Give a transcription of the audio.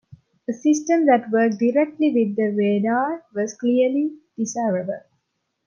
A system that worked directly with the radar was clearly desirable.